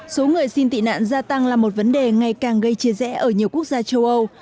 số người xin tị nạn gia tăng là một vấn đề ngày càng gây chia rẽ ở nhiều quốc gia châu âu